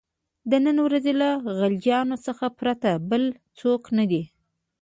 د نني ورځې له غلجیانو څخه پرته بل څوک نه دي.